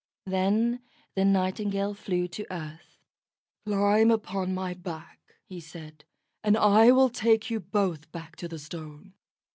Then the Nightingale flew to earth. "Climb upon my back," he said, "and I will take you both back to the Stone."